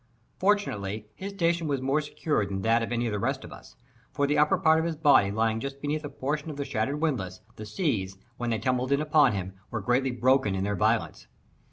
Fortunately, his station was more secure than that of any of the rest of us; for the upper part of his body lying just beneath a portion of the shattered windlass, the seas, as they tumbled in upon him, were greatly broken in their violence.